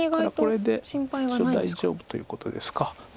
これで一応大丈夫ということですか。